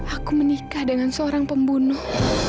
aku menikah dengan seorang pembunuh